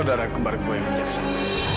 saudara kembar gue yang punya kesan